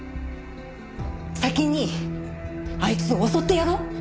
先にあいつを襲ってやろう。